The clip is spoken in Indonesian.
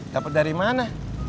dapat dari mana